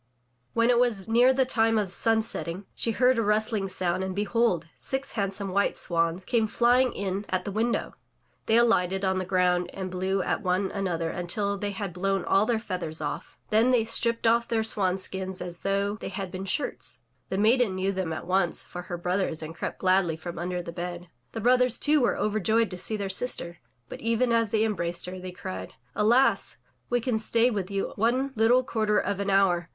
When it was near the time of sun setting, she heard a mstling sound and behold! six handsome white swans came flying in at 364 THROUGH FAIRY HALLS the window. They alighted on the ground and blew at one another until they had blown all their feathers off; then they stripped off their swan skins as though they had been shirts. The maiden knew them at once for her brothers and crept gladly from under the bed. The brothers, too, were overjoyed to see their sister, but even as they embraced her, they cried: '*Alas! we can only stay with you one httle quarter of an hour.